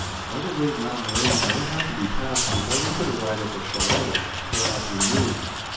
Another great mountain range might have to be passed before we could arrive at the chalet, for aught we knew.